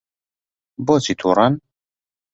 بۆچی تووڕەن؟